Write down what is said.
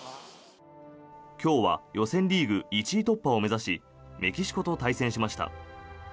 今日は予選リーグ１位突破を目指しメキシコと対戦しました。